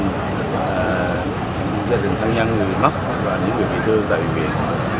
cho những tham nhân người mất và những người bị thương tại bệnh viện